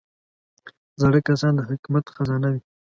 زاړه کسان د حکمت خزانه وي